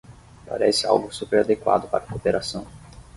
Parece algo super adequado para cooperação